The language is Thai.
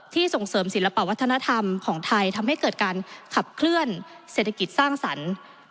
ส่งเสริมศิลปะวัฒนธรรมของไทยทำให้เกิดการขับเคลื่อนเศรษฐกิจสร้างสรรค์